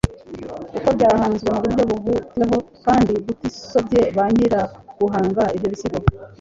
kuko byahanzwe mu buryo buhutiweho kandi butisobye ba nyiruguhanga ibyo bisigo.